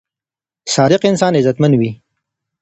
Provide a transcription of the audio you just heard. صادق انسان عزتمن وي.